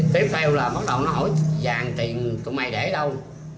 tiếp theo là bắt đầu nó hỏi vàng tiền tụi mày để đâu